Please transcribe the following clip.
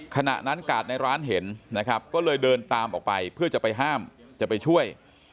ขณะนั้นกาดในร้านเห็นนะครับก็เลยเดินตามออกไปเพื่อจะไปห้ามจะไปช่วย